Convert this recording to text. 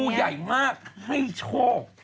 งูใหญ่มากไม่โชค